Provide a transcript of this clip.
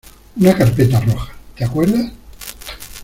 una carpeta roja. ¿ te acuerdas?